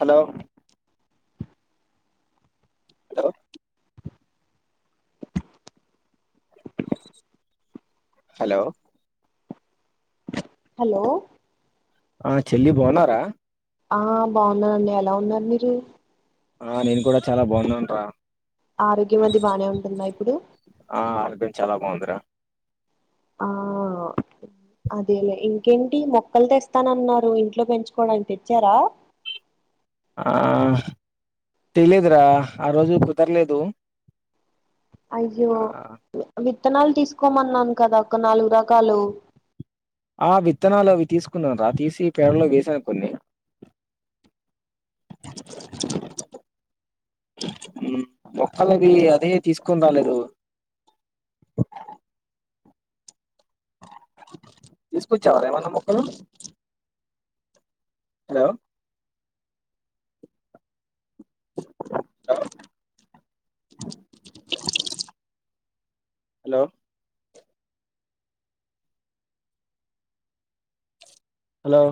hello hello hello hello ఆ చెల్లి బాగునారా ఆ బాగున్నాన్నయ్య ఎలా ఉన్నారు మీరు ఆ నేను కూడా చాలా బాగున్నాను రా ఆరోగ్యం అయితే బాగానే ఉంటుందా ఇప్పుడు ఆ ఆరోగ్యం చాలా బాగుందిరా ఆ అదేలే ఇంకేంటి మొక్కలు తెస్తానన్నారు ఇంట్లో పెంచుకోవడానికి తెచ్చారా ఆ తేలేదురా ఆ రోజు కుదరలేదు అయ్యో ఆ విత్తనాలు తీసుకోమన్నాను కదా ఒక నాలుగు రకాలు ఆ విత్తనాలు అవి తీసుకున్నా రా తీసి పేడలో వేసాను కొన్ని అ మోక్కళకి అదే తీసుకునీ రాలేదు తీసుకోచవారా ఏవైనా మొక్కలు hello hello hello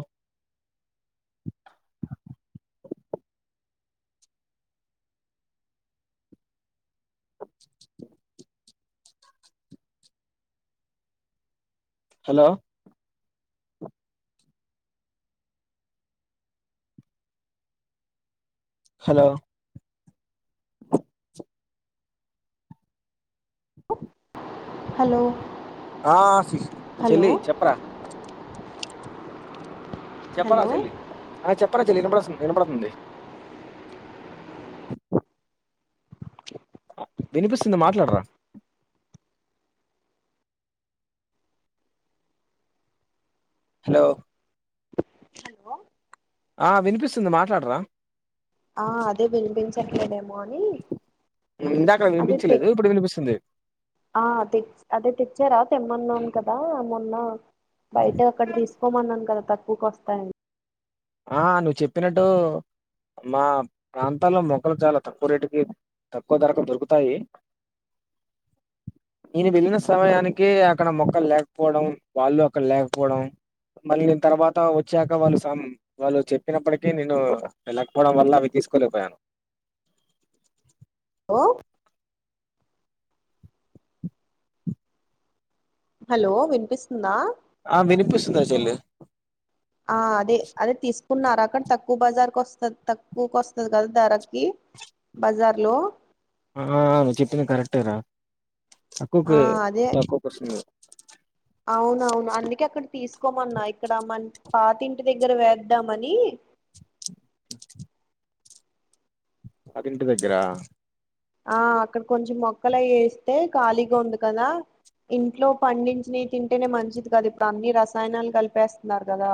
hello hello hello ఆ సిస్ హలో చెల్లి చెప్పరా చెప్పరా హలో చెల్లి ఆ చెప్పరా చెల్లి వినిపిస్తుంది ఆ వినపడుతుంది [inaudible] వినిపిస్తుంది మాట్లాడరా హలో హలో ఆ వినిపిస్తుంది మాట్లాడరా ఆ అదే వినిపించట్లేదేమో అని ఇందాకా అదే తె విపిపించలేదు ఇప్పుడు వినిపిపస్తుంది ఆ తె అదే తెచ్చారా తెమ్మన్నాను కదా మొన్న బయట అక్కడ తీసుకు కోమన్నాను కదా తక్కువకు వస్తాయని ఆ నువ్ చెప్పినట్టు మా ప్రాంతాల్లో మొక్కలు చాలా తక్కువ రేటుకి తక్కువ ధరకు దొరుకుతాయి నేను వెళ్ళిన సమయానికి అక్కడ మొక్కలు లేకపోవడం వాళ్ళు అక్కడ లేకపోవడం మళ్ళీ నేను తర్వాత వచ్చాక వాళ్ళు సమ్ వాళ్ళు చెప్పినప్పటికీ నేను వెళ్ళకపోవడం వల్ల అవి తీసుకోలేకపోయాను ఓ హలో వినిపిస్తుందా ఆ వినిపిస్తుందా చెల్లి ఆ అదే అదే తీసుకున్నార అక్కడ తక్కువ బజార్కి వస్తది తక్కువకు వస్తది కదా ధరకి బజార్లో ఆ నువ్వు చెప్పింది కరెక్టేరా ఆ తక్కువకే అదే తక్కువకే వస్తుంది అవునవును అందుకే అక్కడ తీసుకోమన్నా ఇక్కడ మన్ పాతింటి దగ్గర వేద్దామని నాకింటి దగ్గర ఆ అక్కడ కొంచెం మొక్కలయి ఏస్తే ఖాళీగా ఉంది కదా ఇంట్లో పండించినవి తింటేనే మంచిది కద ఇప్పుడు అన్ని రసాయనాలు కలిపేస్తనారు కదా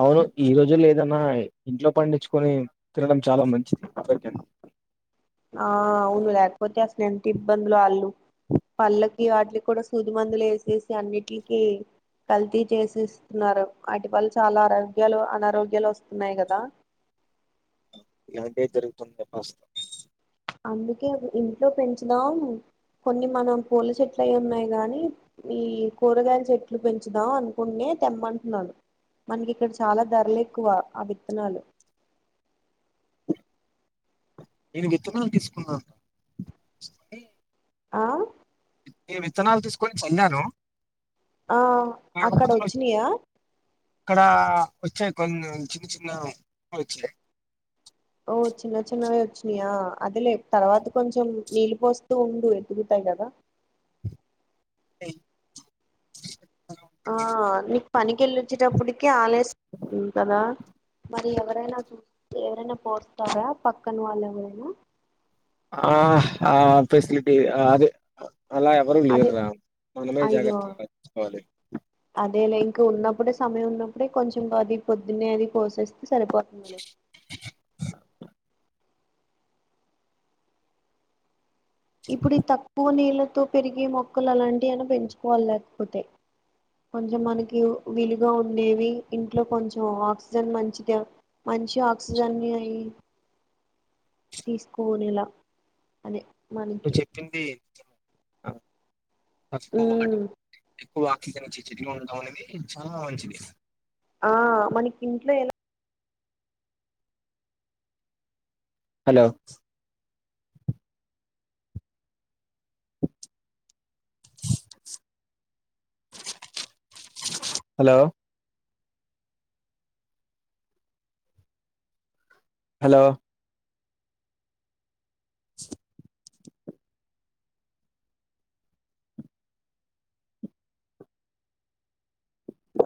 అవును ఈ రోజుల్లో ఏదన్నా ఇంట్లో పండించుకొని తినడం చాలా మంచిది [inaudible] ఆ అవును లేకపోతే అసలు ఎంత ఇబ్బందులో ఆళ్ళు పళ్ళకి వాట్లికి కూడా సూది మందులేసేసి అన్నిట్లికి కల్తీ చేసేసి ఇస్తున్నారు వాటి వల్ల చాలా ఆరోగ్యాలు అనారోగ్యాలు వస్తున్నాయి కదా ఇలాంటివే జరుగుతుంది వాస్తవం అందుకే ఇంట్లో పెంచుదాం కొన్ని మనం పూల చెట్లు అయి ఉన్నాయి గానీ ఈ కూరగాయల చెట్లు పెంచుదాం అన్కునే తెమ్మంట్న్నాను మనకి ఇక్కడ చాలా ధరలెక్కువ ఆ విత్తనాలు నేను విత్తనాలు తీస్కున్నాను ఆ నేను విత్తనాలు తీసుకొని చల్లాను ఆ అక్కడ కాకపోతే మరి వచ్చినయా ఇక్కడ వచ్చాయి కొన్ని చిన్న చిన్న [inaudible] వచ్చాయ్ ఓ చిన్న చిన్నవి వచ్చినాయా అదే లే తర్వాత కొంచెం నీళ్ళు పోస్తూ ఉండు ఎదుగుతాయి కదా ఏయ్ ఆ నీక్ పనికెల్లోచ్చేటప్పటికి ఆలస్ అయింది కదా మరి ఎవరైనా [inaudible] ఎవరైనా పోస్తారా పక్కన వాళ్ళు ఎవరైనా ఆ ఆ ఫెసిలిటీ అ అదే అలా ఎవరు అదే లేర్ర మనమే జాగ్రత్తగా [inaudible] కోవాలి [inaudible] అదే లే ఇంక ఉన్నప్పుడే సమయం ఉన్నప్పుడే కొంచెం అది పొద్దున్నే అది పోసేస్తే సరిపోతుందిలే ఇప్పుడు ఈ తక్కువ నీళ్లతో పెరిగే మొక్కలలాంటి అయిన పెంచుకోవాల్ లేకపోతాయి కొంచెం మనకి విలుగా ఉండేవి ఇంట్లో కొంచెం ఆక్సిజన్ మంచిది మంచి ఆక్సిజన్ వి అయ్యి తీసుకొనేలా అదే మనకి ది [unintelligible] ఉమ్ ఎక్కువ ఆక్సిజన్ ఇచ్చిచ్చి [unintelligible] ఉండడం అనేది చాలా మంచిది ఆ మనకీంట్లో ఎలా హలో అ [inaudible] [unintelligible] hello hello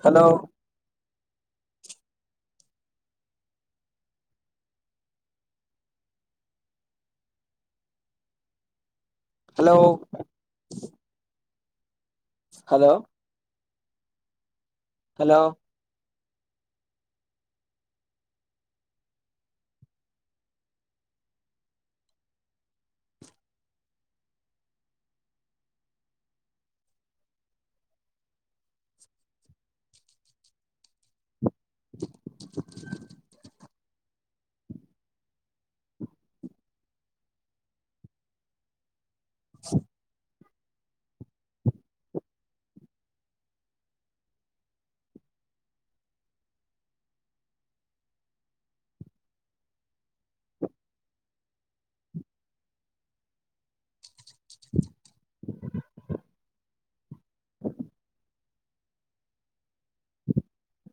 hello hello hello hello [inaudible] [inaudible]